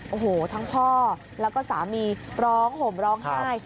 โอ้โหทั้งพ่อแล้วก็สามีร้องห่มร้องไห้